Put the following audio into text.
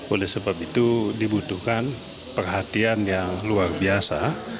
oleh sebab itu dibutuhkan perhatian yang luar biasa